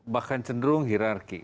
bahkan cenderung hirarki